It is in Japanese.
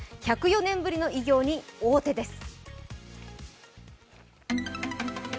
１０４年ぶりの偉業に王手です。